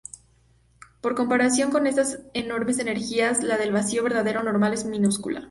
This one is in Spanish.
Por comparación con estas enormes energías, la del vacío verdadero, normal, es minúscula.